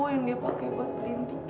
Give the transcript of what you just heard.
yang dia pake buat beliin tiket